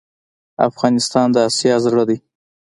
افغانستان د آسیا زړه ده.